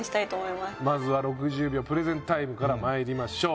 まずは６０秒プレゼンタイムからまいりましょう。